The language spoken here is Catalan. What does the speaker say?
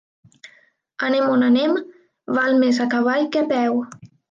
Anem on anem, val més a cavall que a peu.